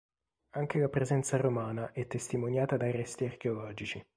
Anche la presenza romana è testimoniata da resti archeologici.